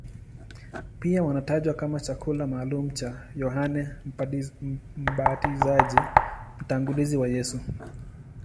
Pia wanatajwa kama chakula maalumu cha Yohane Mbatizaji, mtangulizi wa Yesu.